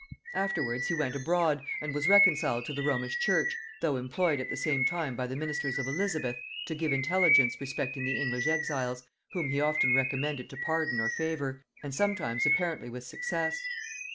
Afterwards he went abroad, and was reconciled to the Romish church, though employed at the same time by the ministers of Elizabeth to give intelligence respecting the English exiles, whom he often recommended to pardon or favor, and sometimes apparently with success.